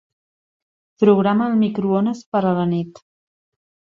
Programa el microones per a la nit.